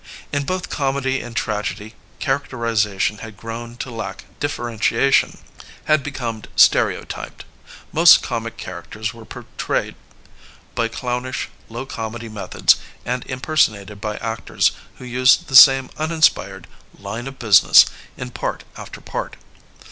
In both comedy and tragedy, charac terization had grown to lack differentiation, had be come stereotyped ; most comic characters were por trayed by clownish, low comedy methods and imper sonated by actors who used the same uninspired line of business *' in part after part.